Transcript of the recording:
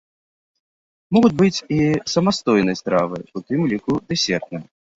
Могуць быць і самастойнай стравай, у тым ліку дэсертнай.